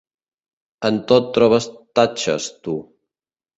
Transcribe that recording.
En tot trobes tatxes, tu.